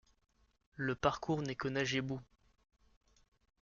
Le parcours n'est que neige et boue.